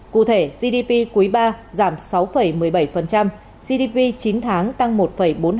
cụ thể gdp quý ba giảm sáu một mươi bảy gdp chín tháng tăng một bốn mươi hai so với cùng kỳ